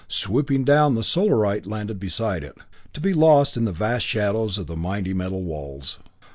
Swooping down, the Solarite landed beside it, to be lost in the vast shadows of the mighty metal walls.